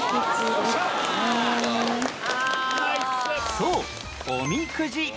そうおみくじ